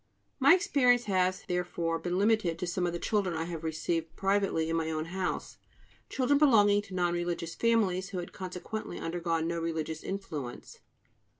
My experience has, therefore, been limited to some of the children I have received privately in my own house, children belonging to non religious families, who had consequently undergone no religious influence.